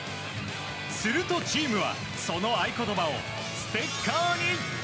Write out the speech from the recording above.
するとチームはその合言葉をステッカーに。